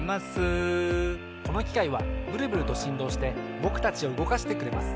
このきかいはブルブルとしんどうしてぼくたちをうごかしてくれます。